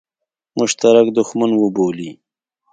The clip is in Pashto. مشترک دښمن وبولي.